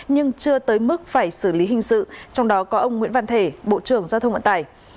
nhưng chưa tới mức phải xử lý hình sự trong đó có ông nguyễn văn thể bộ trưởng giao thông vận tải